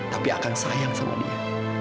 tapi akan sayang sama dia